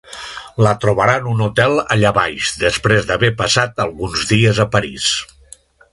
La trobarà en un hotel allà baix després d'haver passat alguns dies a París.